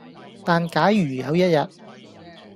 但假如有一日